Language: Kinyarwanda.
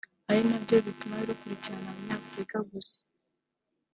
ari nabyo bituma rukurikirana abanyafurika gusa